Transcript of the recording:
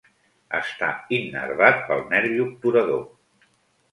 Està innervat pel nervi obturador.